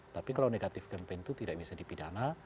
tapi kalau negatif campaign itu tidak bisa dipidana